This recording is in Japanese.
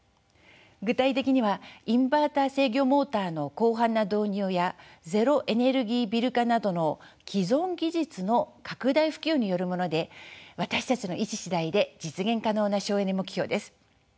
具体的にはインバーター制御モーターの広範な導入やゼロエネルギービル化などの既存技術の拡大普及によるもので私たちの意思次第で実現可能な省エネ目標です。